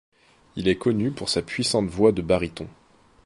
Il est connu pour sa puissante voix de baryton.